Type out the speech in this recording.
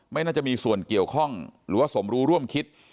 ไม่น่าจะมีส่วนเกี่ยวข้องหรือว่าสมรู้ร่วมคิด